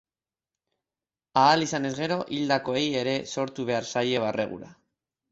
Ahal izanez gero, hildakoei ere sortu behar zaie barregura.